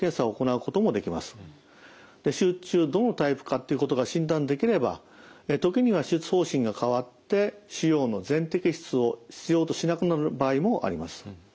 手術中どのタイプかということが診断できれば時には手術方針が変わって腫瘍の全摘出を必要としなくなる場合もあります。